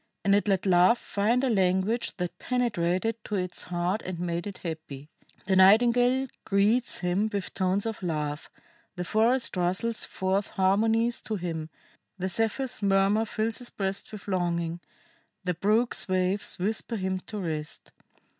And it let Love find a language that penetrated to its heart and made it happy. The nightingale greets him with tones of love, the forest rustles forth harmonies to him, the Zephyr's murmur fills his breast with longing, the brook's waves whisper him to rest.